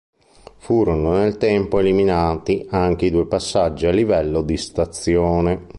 Furono nel tempo eliminati anche i due passaggi a livello di stazione.